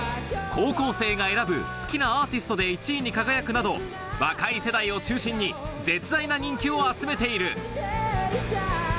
高校生が選ぶ好きなアーティストで１位に輝くなど、若い世代を中心に絶大な人気を集めている。